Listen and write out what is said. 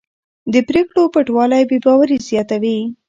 د پرېکړو پټوالی بې باوري زیاتوي